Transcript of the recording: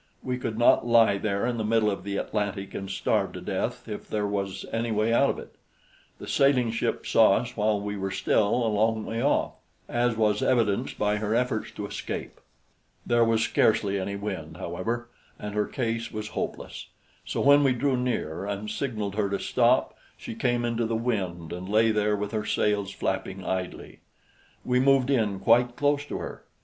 We could not lie there in the middle of the Atlantic and starve to death if there was any way out of it. The sailing ship saw us while we were still a long way off, as was evidenced by her efforts to escape. There was scarcely any wind, however, and her case was hopeless; so when we drew near and signaled her to stop, she came into the wind and lay there with her sails flapping idly. We moved in quite close to her.